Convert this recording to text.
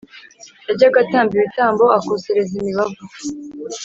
Yajyaga atamba ibitambo akosereza imibavu